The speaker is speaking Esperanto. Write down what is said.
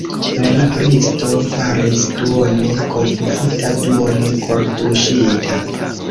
La libristo staris duone konfuzita, duone kortuŝita.